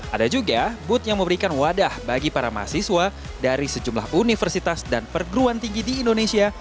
ada juga booth yang memberikan wadah bagi para mahasiswa dari sejumlah universitas dan perguruan tinggi di indonesia